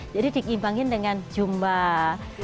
jadi diimbangin dengan jumlahnya